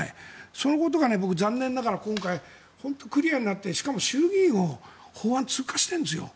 そのことが僕、残念ながら今回、本当にクリアになってしかも衆議院を法案、通過してるんですよ。